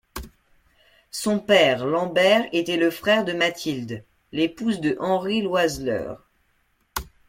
Son père Lambert était le frère de Mathilde, l'épouse de Henri l'Oiseleur.